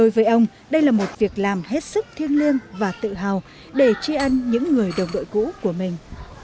với ông đây là một việc làm hết sức thiêng liêng và tự hào để tri ân những người đồng đội cũ của mình